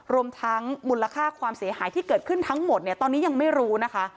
รวมทั้งมูลค่าความเสียหายที่เกิดขึ้นทั้งหมดเนี่ยตอนนี้ยังไม่รู้นะคะ